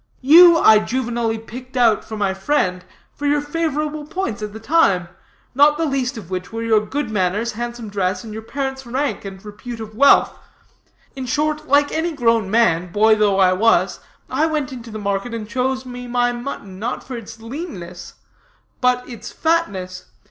You, I juvenilely picked out for my friend, for your favorable points at the time; not the least of which were your good manners, handsome dress, and your parents' rank and repute of wealth. In short, like any grown man, boy though I was, I went into the market and chose me my mutton, not for its leanness, but its fatness.